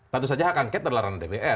tentu saja hak angket adalah ranah dpr